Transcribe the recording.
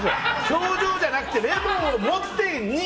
表情じゃなくてレモンを持って。